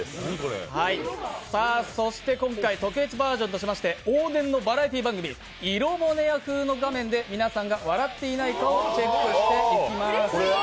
そして今回特別バージョンとしまして往年のバラエティー番組「イロモネア」風の画面で皆さんが笑っていないかをチェックしていきます。